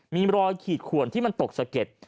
มีรอยขีดขวนที่มันตกสะเก็ด